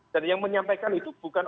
dan yang menyampaikan itu bukan